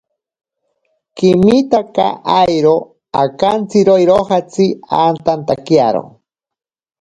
Kimitaka airo akantsiro irojatsi antantakiaro.